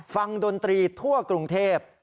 ดนตรีทั่วกรุงเทพ